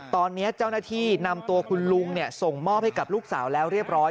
ตอนนี้เจ้าหน้าที่นำตัวคุณลุงส่งมอบให้กับลูกสาวแล้วเรียบร้อย